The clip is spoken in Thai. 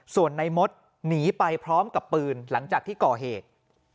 ส่วนในมดหนีไปพร้อมกับปืนหลังจากที่ก่อเหตุ